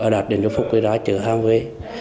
đặt đến cho phúc về ra chở hàng về